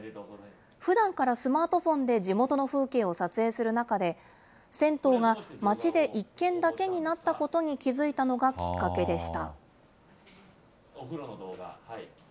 ふだんからスマートフォンで地元の風景を撮影する中で、銭湯が街で一軒だけになったことに気付いたのがきっかけでした。